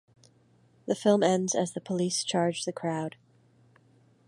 The film ends as the police charge the crowd.